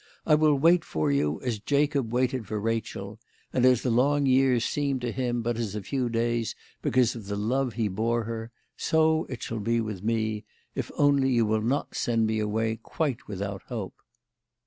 I will wait for you as Jacob waited for Rachel; and as the long years seemed to him but as a few days because of the love he bore her, so it shall be with me, if only you will not send me away quite without hope."